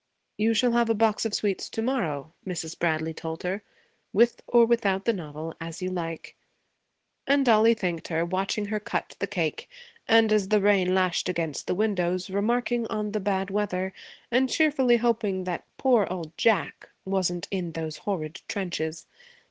'You shall have a box of sweets to morrow,' Mrs. Bradley told her, 'with or without the novel, as you like.' And Dollie thanked her, watching her cut the cake, and, as the rain lashed against the windows, remarking on the bad weather and cheerfully hoping that 'poor old Jack' wasn't in those horrid trenches.